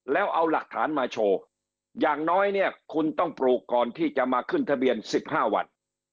แล้วเอาหลักฐานมาโชว์อย่างน้อยเนี่ยคุณต้องปลูกก่อนที่จะมาขึ้นทะเบียน๑๕วัน